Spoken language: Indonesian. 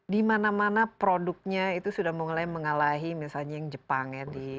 di mana mana produknya itu sudah mulai mengalahi misalnya yang jepang ya